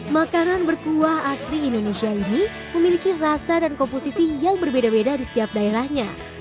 makanan berkuah asli indonesia ini memiliki rasa dan komposisi yang berbeda beda di setiap daerahnya